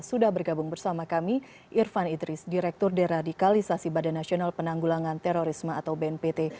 sudah bergabung bersama kami irfan idris direktur deradikalisasi badan nasional penanggulangan terorisme atau bnpt